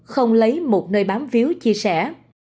không lấy một nơi bám víu chia sẻ